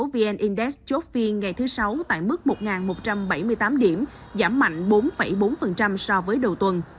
vn index chốt phiên ngày thứ sáu tại mức một một trăm bảy mươi tám điểm giảm mạnh bốn bốn so với đầu tuần